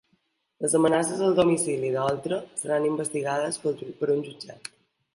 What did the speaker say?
Les amenaces al domicili d'Oltra seran investigades per un jutjat